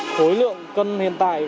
khối lượng cân hiện tại